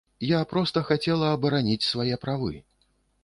Я проста хацела абараніць свае правы.